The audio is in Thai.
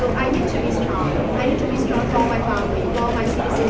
พวกมันจัดสินค้าที่๑๙นาที